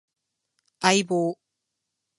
相棒